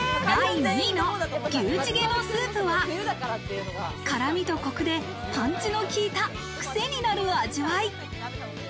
第２位の牛チゲのスープは、辛味とコクでパンチの効いた、くせになる味わい。